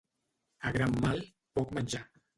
A gran mal, poc menjar.